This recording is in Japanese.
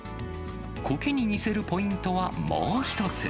こけに似せるポイントは、もう一つ。